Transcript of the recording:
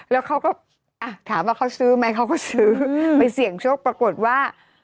แล้วเขาก็ถามว่าเขาซื้อไหมเขาก็ซื้อไปเสี่ยงโชคปรากฏว่า